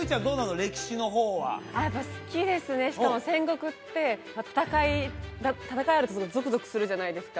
歴史の方はやっぱ好きですねしかも戦国って戦い戦いあるとゾクゾクするじゃないですか？